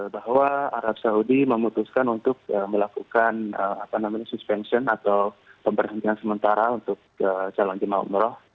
bahwa arab saudi memutuskan untuk melakukan suspension atau pemberhentian sementara untuk calon jemaah umroh